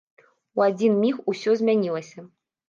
У адзін міг усё змянілася.